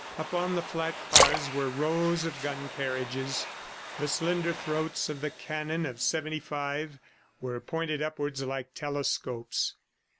Upon the flat cars were rows of gun carriages. The slender throats of the cannon of '75 were pointed upwards like telescopes.